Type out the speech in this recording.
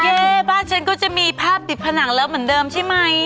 บ้านฉันก็จะมีภาพดิบผนังเลิฟเหมือนเดิมใช่ไหม